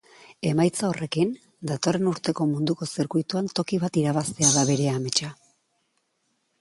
Emaitza horrekin, datorren urteko munduko zirkuituan toki bat irabaztea da bere ametsa.